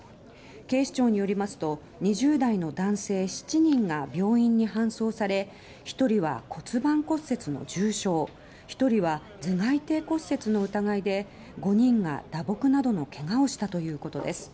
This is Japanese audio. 警視庁によりますと２０代の男性７人が病院に搬送され１人は骨盤骨折の重傷１人は頭蓋底骨折の疑いで５人が打撲などのけがをしたということです。